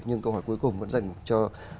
nhưng câu hỏi cuối cùng vẫn dành cho